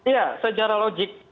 ya secara logik